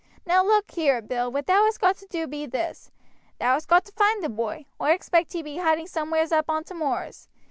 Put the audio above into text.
Now, look here, Bill, what thou hast got to do be this. Thou hast got to find the boy; oi expect he be hiding somewheres up on t' moors.